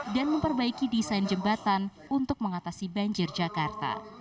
dan memperbaiki desain jembatan untuk mengatasi banjir jakarta